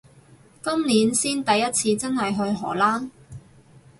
今年先第一次真係去荷蘭